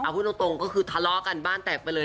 พูดตรงก็คือทะเลาะกันบ้านแตกไปเลย